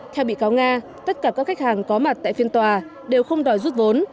theo bị cáo nga tất cả các khách hàng có mặt tại phiên tòa đều không đòi rút vốn